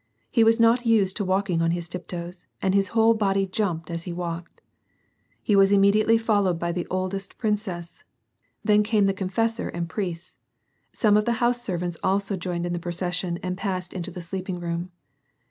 He was not used to walking on his tiptoes and his whole body jumjjed as he walked. He was immediately followed by the oldest prin ('( ss ; then came the confessor and priests ; some of the house servants also joined in the procession and passed into the bleeping room.